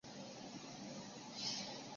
毛人凤随即派北平督察王蒲臣秘密侦查。